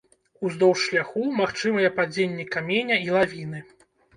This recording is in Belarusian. Уздоўж шляху магчымыя падзенні каменя і лавіны.